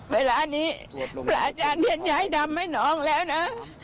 เวลานี้ประอาจารย์เที่ยนย้ายทำให้น้องแล้วนะ